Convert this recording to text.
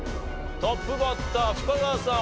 トップバッター深澤さん